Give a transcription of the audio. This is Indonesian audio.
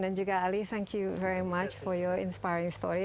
dan juga ali terima kasih banyak untuk cerita yang menginspirasi anda